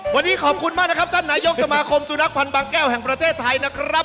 วันนี้ขอบคุณมากนะครับท่านนายกสมาคมสุนัขพันธ์บางแก้วแห่งประเทศไทยนะครับ